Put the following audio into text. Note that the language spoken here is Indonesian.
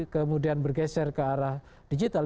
kemudian bergeser ke arah digital